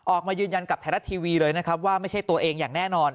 ออกมายืนยันกับไทยรัฐทีวีเลยนะครับว่าไม่ใช่ตัวเองอย่างแน่นอน